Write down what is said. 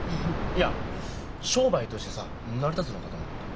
いや商売としてさ成り立つのかと思って。